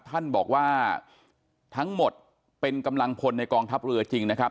ท่านบอกว่าทั้งหมดเป็นกำลังพลในกองทัพเรือจริงนะครับ